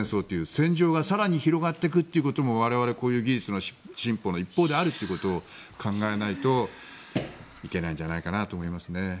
戦場が更に広がっていくということも我々、こういう技術の進歩の一方であるということを考えないといけないんじゃないかと思いますね。